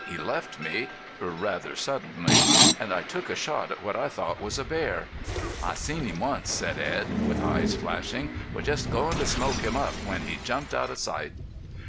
"He left me rather suddenly. And I took a shot at what I thought was a bear." "I seen him once," said Edd, with eyes flashing. "Was just goin' to smoke him up when he jumped out of sight."